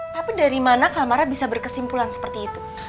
tapi dari mana kamara bisa berkesimpulan seperti itu